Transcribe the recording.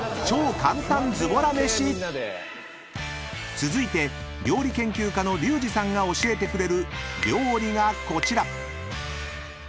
［続いて料理研究家のリュウジさんが教えてくれる料理がこちら］